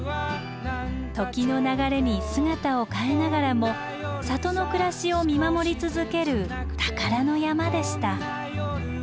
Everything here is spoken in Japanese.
時の流れに姿を変えながらも里の暮らしを見守り続ける宝の山でした。